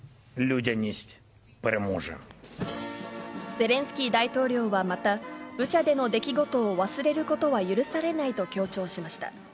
ゼレンスキー大統領はまた、ブチャでの出来事を忘れることは許されないと強調しました。